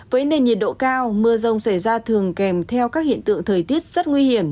với nền nhiệt độ cao mưa rông xảy ra thường kèm theo các hiện tượng thời tiết rất nguy hiểm